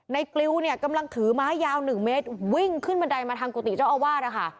กลิวเนี่ยกำลังถือไม้ยาว๑เมตรวิ่งขึ้นบันไดมาทางกุฏิเจ้าอาวาสนะคะ